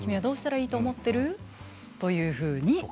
どうしたらいいと思っている？というふうに。